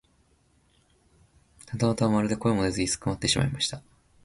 二疋はまるで声も出ず居すくまってしまいました。